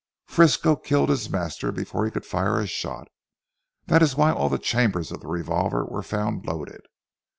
Frisco killed his master before he could fire a shot. That is why all the chambers of the revolver were found loaded.